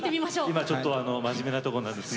今ちょっと真面目なとこなんで。